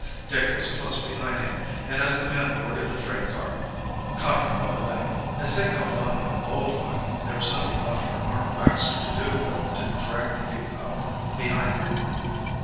Dick was close behind him, and as the man boarded the freight car caught him by the leg. As Dick held on like a bulldog there was nothing left for Arnold Baxter to do but to drag the youth up behind him.